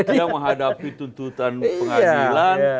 dia menghadapi tuntutan pengadilan